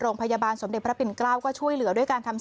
โรงพยาบาลสมเด็จพระปิ่นเกล้าก็ช่วยเหลือด้วยการทำ